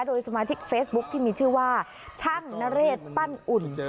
โดยสมาชิกเฟซบุ๊คที่มีชื่อว่าช่างนเรศปั้นอุ่น